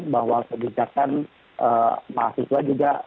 bahwa kebijakan mahasiswa juga